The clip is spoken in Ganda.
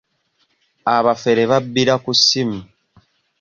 Abafere babbira ku ssimu.